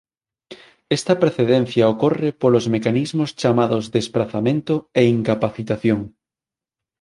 Esta precedencia ocorre polos mecanismos chamados desprazamento e incapacitación.